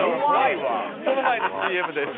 その前にＣＭです。